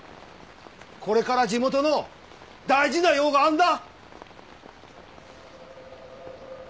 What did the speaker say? これから地元の大事な用があんだ。